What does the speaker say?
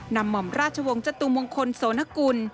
หม่อมราชวงศ์จตุมงคลโสนกุล